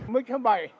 mấy chiếc máy